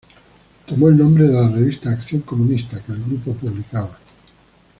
Tomó el nombre de la revista "Acción Comunista", que el grupo publicaba.